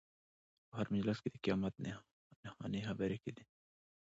په هر مجلس کې د قیامت نښانې خبرې کېدې.